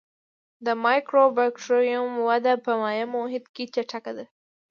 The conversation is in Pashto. د مایکوبکټریوم وده په مایع محیط کې چټکه ده.